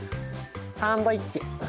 サンドイッチ。